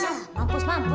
hah mampus mampus loh